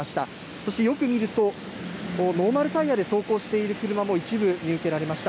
そしてよく見るとノーマルタイヤで走行している車も一部見受けられました。